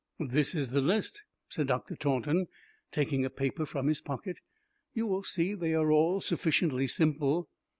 "This is the list," said Dr. Taunton, taking a paper from his pocket. "You will see that they are all sufficiently simple.